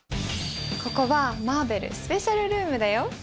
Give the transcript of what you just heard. ここはマーベルスペシャルルームだよ